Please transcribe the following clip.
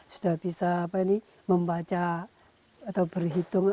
sudah bisa membaca atau berhitung